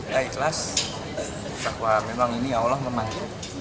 ya ikhlas bahwa memang ini allah memang